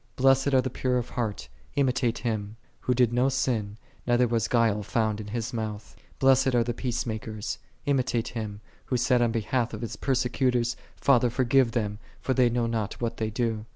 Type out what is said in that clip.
4 " I'.lessed are the pure in heart; " imitate Him, " Who did no sin, neither W88 guile found in His mouth."" '• I'.lessed are the peace imkers; " imitate Him, Who said on behalf of His persecutors, " Father, forgive them, for they know not what they do."